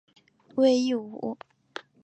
讳一武。